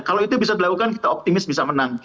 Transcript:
kalau itu bisa dilakukan kita optimis bisa menang